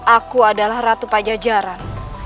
aku adalah ratu pajajaran